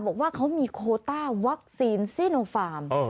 บอกว่าเขามีโคต้าวัคซีนซีโนฟาร์ม